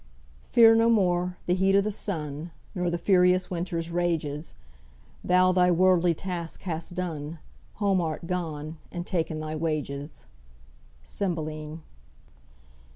"Fear no more the heat o' th' sun, Nor the furious winter's rages; Thou thy worldly task hast done, Home art gone and ta'en thy wages." CYMBELINE.